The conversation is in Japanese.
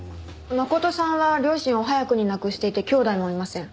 真琴さんは両親を早くに亡くしていて兄弟もいません。